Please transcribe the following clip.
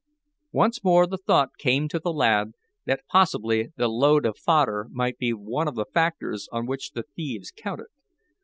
Once more the thought came to the lad that possibly the load of fodder might be one of the factors on which the thieves counted.